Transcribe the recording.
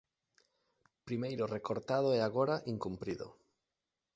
Primeiro recortado e agora, incumprido.